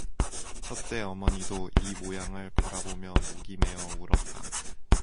첫째 어머니도 이 모양을 바라보며 목이 메어 울었다.